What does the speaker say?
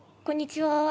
こんにちは。